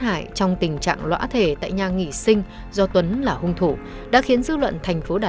hại trong tình trạng lõa thể tại nhà nghỉ sinh do tuấn là hung thủ đã khiến dư luận thành phố đà